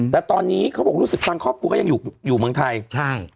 แต่ตอนนี้เขาบอกรู้สึกทางครอบครัวก็ยังอยู่อยู่เมืองไทยใช่